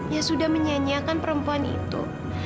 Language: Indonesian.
ya sudah menyanyiakan perempuan itu